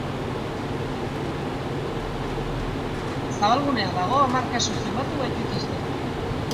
Zabalgunea dago, hamar kasu zenbatu baitituzte.